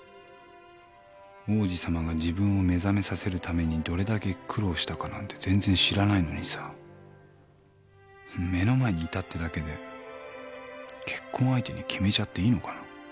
王子さまが自分を目覚めさせるためにどれだけ苦労したかなんて全然知らないのにさ目の前にいたってだけで結婚相手に決めちゃっていいのかな